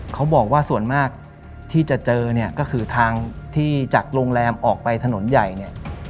เขาบอกว่าส่วนมากที่จะเจอเนี่ยก็คือทางที่จากโรงแรมออกไปถนนใหญ่เนี่ย